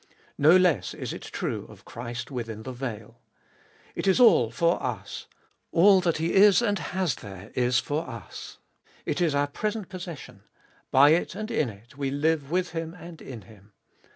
No less is it true oi Christ within the veil. It is all for us ; all that He is and has there is for us ; it is our present possession ; by it and in it we live with Him and in Him.